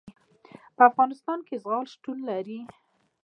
په افغانستان کې زغال شتون لري.